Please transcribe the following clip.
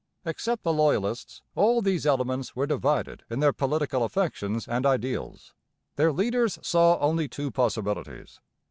Except the Loyalists, all these elements were divided in their political affections and ideals. Their leaders saw only two possibilities.